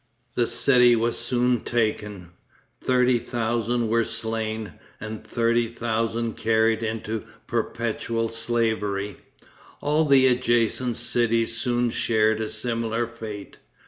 The city was soon taken. Thirty thousand were slain, and thirty thousand carried into perpetual slavery. All the adjacent cities soon shared a similar fate.